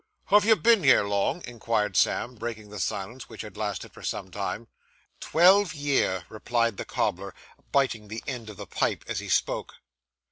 'Have you been here long?' inquired Sam, breaking the silence which had lasted for some time. 'Twelve year,' replied the cobbler, biting the end of his pipe as he spoke.